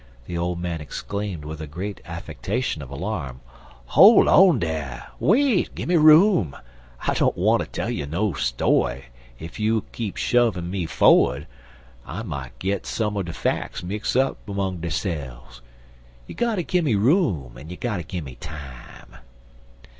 the old man exclaimed, with a great affectation of alarm; "hol' on dar! Wait! Gimme room! I don't wanter tell you no story, en ef you keep shovin' me forrerd, I mout git some er de facks mix up 'mong deyse'f. You gotter gimme room en you gotter gimme time."